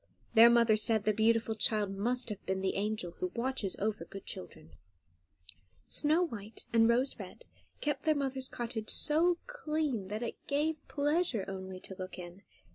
Their mother said the beautiful child must have been the angel who watches over good children. Snow White and Rose Red kept their mother's cottage so clean that it gave pleasure only to look in.